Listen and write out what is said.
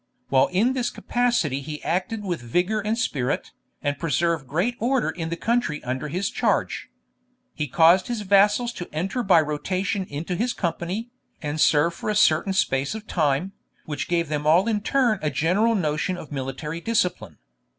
While in this capacity he acted with vigour and spirit, and preserved great order in the country under his charge. He caused his vassals to enter by rotation into his company, and serve for a certain space of time, which gave them all in turn a general notion of military discipline.